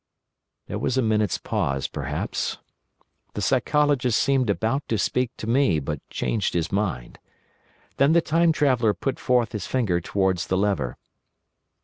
There was a minute's pause perhaps. The Psychologist seemed about to speak to me, but changed his mind. Then the Time Traveller put forth his finger towards the lever.